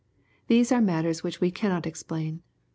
These are matters which we cannot explain.